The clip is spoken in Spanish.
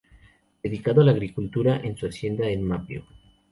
Dedicado a la agricultura en su hacienda en Maipo.